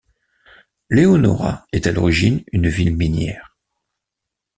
Leonora est à l'origine une ville minière.